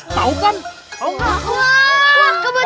tahu kan tahu nggak